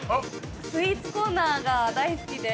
スイーツコーナーが大好きで◆